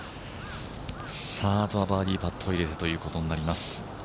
あとはバーディーパットを入れるということになります。